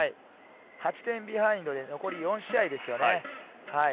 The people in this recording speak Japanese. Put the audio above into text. ８点ビハインドで残り４試合です。